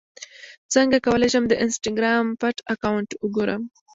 څنګه کولی شم د انسټاګرام پټ اکاونټ وګورم